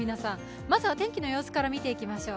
まずは天気の様子から見ていきましょう。